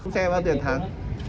xe bao nhiêu tiền thẳng